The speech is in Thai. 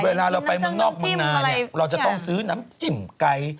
เวลาเราไปเมืองนอกเมืองนาเนี่ยเราจะต้องซื้อน้ำจิ้มไก่